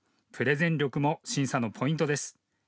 プレゼン力も審査のポイントです。